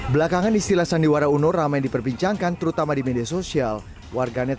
belakangan istilah sandiwara uno ramai diperbincangkan terutama di media sosial warganet